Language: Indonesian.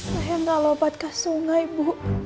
saya gak lompat ke sungai bu